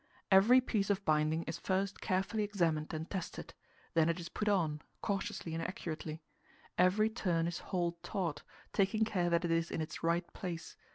Every piece of binding is first carefully examined and tested; then it is put on, cautiously and accurately. Every turn is hauled taut, taking care that it is in its right place.